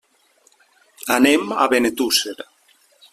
Anem a Benetússer.